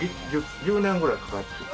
１０年ぐらいかかっちょる。